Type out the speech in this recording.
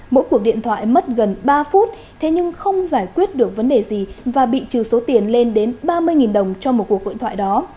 mỗi cuộc điện thoại mất gần ba phút thế nhưng không giải quyết được vấn đề gì và bị trừ số tiền lên đến ba mươi đồng cho một cuộc hội thoại đó